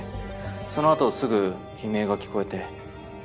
そのあとすぐ悲鳴が聞こえて。